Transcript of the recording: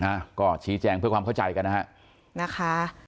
อ่ะก็ชี้แจงเพื่อความเข้าใจกันนะฮะนะคะ